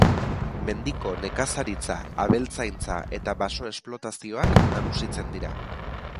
Mendiko nekazaritza, abeltzaintza eta baso-esplotazioak nagusitzen dira.